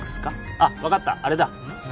あっ分かったあれだうんっ何？